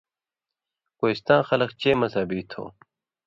کوستاں خلک چے مذہبی تھو۔